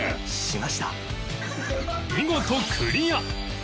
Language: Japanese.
見事クリア！